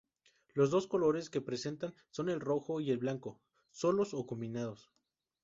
Los dos colores que presenta son el rojo y el blanco, solos o combinados.